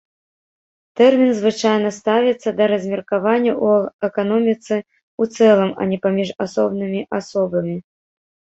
Тэрмін звычайна ставіцца да размеркавання ў эканоміцы ў цэлым, а не паміж асобнымі асобамі.